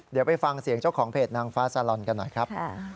เดี๋ยวไปฟังเสียงเจ้าของเพจนางฟ้าซาลอนกันหน่อยครับ